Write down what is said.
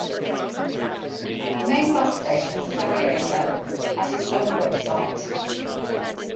The main bus station of Sarajevo has its own website.